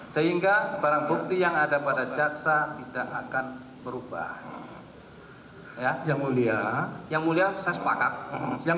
sehingga barang bukti yang ada pada jaksa tidak akan berubah ya yang mulia yang mulia saya sepakat yang